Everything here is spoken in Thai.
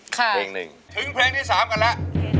ค่ะหนึ่งถึงเพลงที่สามกันแล้ว